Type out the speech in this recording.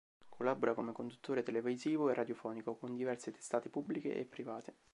Collabora, come conduttore televisivo e radiofonico, con diverse testate pubbliche e private.